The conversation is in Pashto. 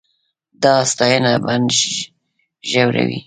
دا ستاینه بند ژوروي.